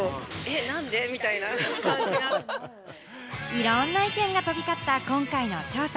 いろんな意見が飛び交った今回の調査。